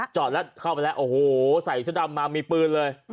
จอดแล้วเข้าไปแล้วโอ้โหใส่เสื้อดำมามีปืนเลย